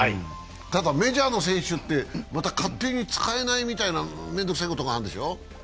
メジャーの選手って、また勝手に使えないみたいな面倒くさいことがあるんでしょ